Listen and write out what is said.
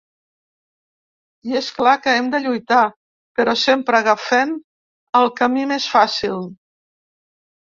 I és clar que hem de lluitar, però sempre agafem el camí més fàcil.